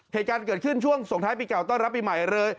เหตุการณ์เกิดขึ้นช่วงส่งท้ายปีเก่าต้อนรับปีใหม่เลย